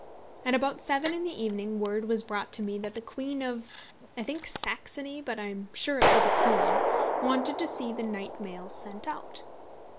At about seven in the evening word was brought to me that the Queen of, I think Saxony, but I am sure it was a Queen, wanted to see the night mails sent out.